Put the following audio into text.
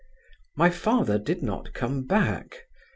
My father did not come back.